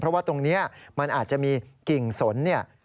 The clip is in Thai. เพราะว่าตรงนี้มันอาจจะมีกิ่งสนเนี่ย